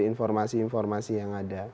informasi informasi yang ada